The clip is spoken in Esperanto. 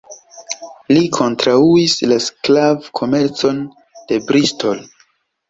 Li kontraŭis la sklav-komercon de Bristol.